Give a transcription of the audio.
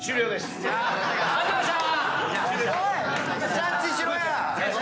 ジャッジしろや！